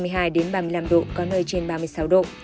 phía tây bắc bộ có nơi trên ba mươi sáu độ